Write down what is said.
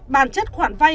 bản chất khoản vai